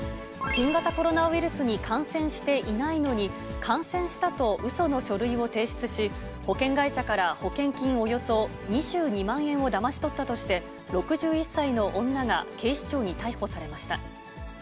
新型コロナウイルスに感染していないのに、感染したとうその書類を提出し、保険会社から、保険金およそ２２万円をだまし取ったとして、６１歳の女が警視庁に逮捕されました。